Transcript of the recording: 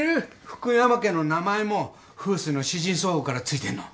福山家の名前も風水の四神相応から付いてんの。